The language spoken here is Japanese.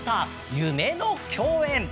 夢の競演！